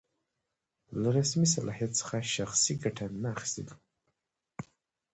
له رسمي صلاحیت څخه شخصي ګټه نه اخیستل.